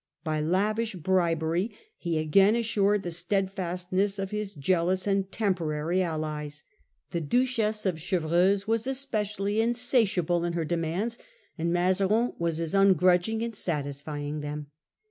By lavish bribery he again assured the steadfastness of his jealous and temporary allies. The Duchess of Chevreuse was especially insatiable in her demands and Mazarin was as ungrudging in satisfying them.